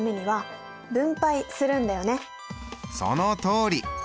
そのとおり。